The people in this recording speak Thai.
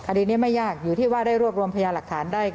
คดีนี้ไม่ยากอยู่ที่ว่าได้รวบรวมพยาหลักฐานได้